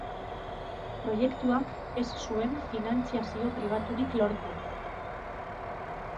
Proiektuak ez zuen finantzazio pribaturik lortu.